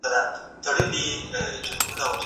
د سياستوالو له پاره ټولو موخو ته رسېدل اړين نه دي.